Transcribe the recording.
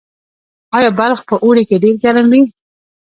آیا بلخ په اوړي کې ډیر ګرم وي؟